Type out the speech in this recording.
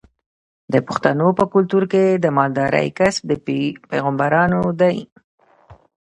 د پښتنو په کلتور کې د مالدارۍ کسب د پیغمبرانو دی.